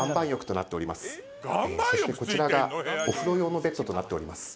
そしてこちらがお風呂用のベッドとなっております